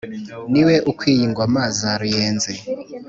ni we ukwiye ingoma za rugenzi.